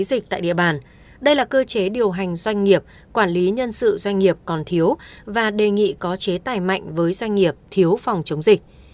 dịch tại địa bàn đây là cơ chế điều hành doanh nghiệp quản lý nhân sự doanh nghiệp còn thiếu và đề nghị có chế tài mạnh với doanh nghiệp thiếu phòng chống dịch